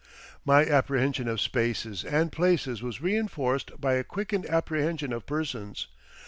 My apprehension of spaces and places was reinforced by a quickened apprehension of persons.